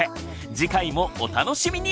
次回もお楽しみに！